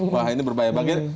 wah ini berbahaya banget